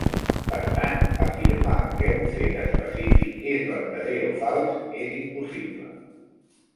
Per tant, afirmar que un fet específic és vertader o fals és impossible.